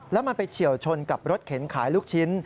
แล้วมันไปเฉียวชนกับรถเข็นขายลูกชิ้น